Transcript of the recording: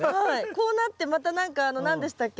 こうなってまた何かあの何でしたっけ？